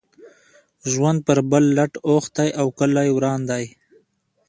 ژوند پر بل لټ اوښتی او کلی وران دی.